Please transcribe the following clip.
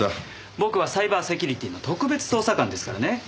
僕はサイバーセキュリティの特別捜査官ですからね。